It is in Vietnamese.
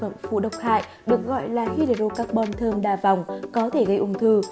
sản phẩm phù độc hại được gọi là hydrocarbon thơm đa vòng có thể gây ung thư